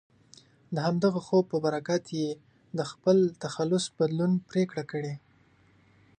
د همدغه خوب په برکت یې د خپل تخلص بدلون پرېکړه کړې.